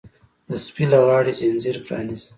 د سپي له غاړې ځنځیر پرانیزه!